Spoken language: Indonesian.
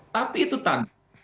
tapi itu tadi